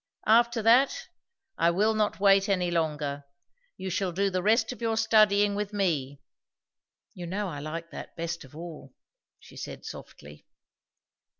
After that, I will not wait any longer. You shall do the rest of your studying with me." "You know I like that best of all " she said softly.